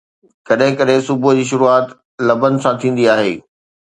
ڪڏهن ڪڏهن صبح جي شروعات لبن سان ٿيندي آهي